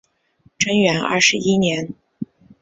贞元二十一年